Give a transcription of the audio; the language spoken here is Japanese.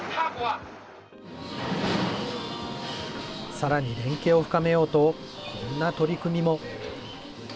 さらに連携を深めようと、こんな取り組みも。